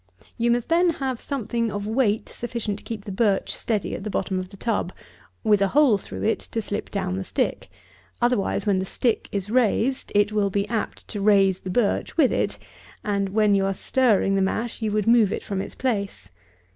You must then have something of weight sufficient to keep the birch steady at the bottom of the tub, with a hole through it to slip down the stick; otherwise when the stick is raised it will be apt to raise the birch with it, and when you are stirring the mash you would move it from its place.